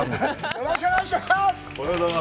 よろしくお願いします。